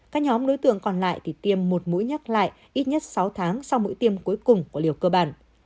các nhóm đối tượng còn lại thì tiêm một mũi nhắc lại ít nhất sáu tháng sau mũi tiêm cuối cùng và liều cơ bản